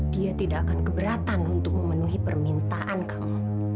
dia tidak akan keberatan untuk memenuhi permintaan kamu